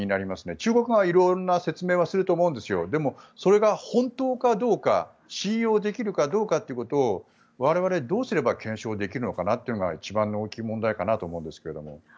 中国側はいろんな説明をすると思うんですけどそれが本当かどうか信用できるかどうかを我々どうすれば検証できるかなというのが一番の大きい問題かと思います。